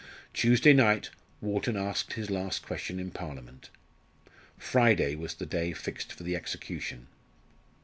Tuesday night, Wharton asked his last question in Parliament. Friday was the day fixed for the execution.